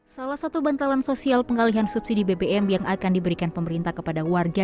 salah satu bantalan sosial pengalihan subsidi bbm yang akan diberikan pemerintah kepada warga